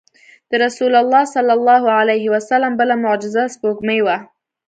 د رسول الله صلی الله علیه وسلم بله معجزه سپوږمۍ وه.